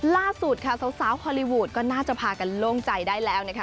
ล่าสุดค่ะสาวฮอลลีวูดก็น่าจะพากันโล่งใจได้แล้วนะคะ